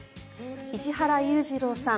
石原裕次郎さん